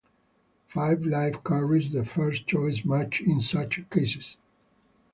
Five Live carries the first-choice match in such cases.